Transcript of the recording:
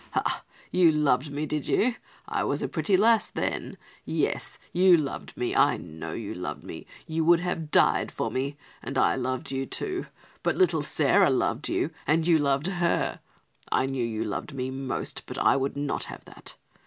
"Ha! you loved me, did you? I was a pretty lass then. Yes, you loved me, I know you loved me. You would have died for me, and I loved you, too. But little Sarah loved you and you loved her. I know you loved me most, but I would not have that.